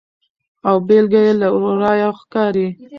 او بیلګه یې له ورایه ښکاري.